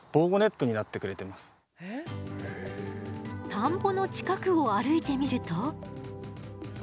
田んぼの近くを歩いてみると。